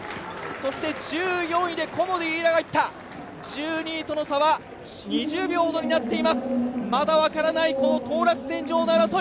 １４位でコモディイイダがいった、１２位との差は２０秒ほどになっています、まだ分からない当落線上の争い。